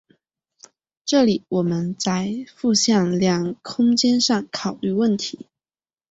这里我们在复向量空间上考虑问题。